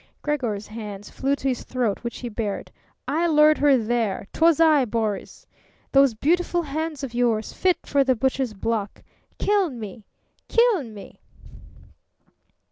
Gregor's hands flew to his throat, which he bared. "I lured her there! 'Twas I, Boris!... Those beautiful hands of yours, fit for the butcher's block! Kill me! Kill me!"